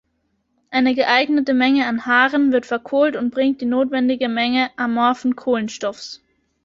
Eine geeignete Menge an Haaren wird verkohlt und bringt die notwendige Menge amorphen Kohlenstoffs.